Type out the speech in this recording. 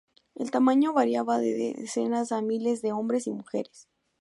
El tamaño variaba de decenas a miles de hombres y mujeres.